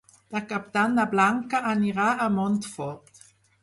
Per Cap d'Any na Blanca anirà a Montfort.